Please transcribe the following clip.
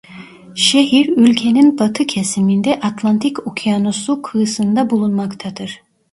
Şehir ülkenin batı kesiminde Atlantik Okyanusu kıyısında bulunmaktadır.